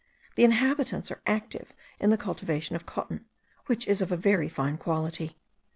The inhabitants are active in the cultivation of cotton, which is of a very fine quality.